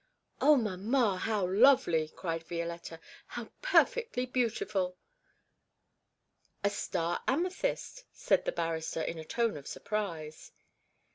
'Oh, mamma, how lovely!' cried Violetta. 'How perfectly beautiful!' 'A star amethyst!' said the barrister in a tone of surprise.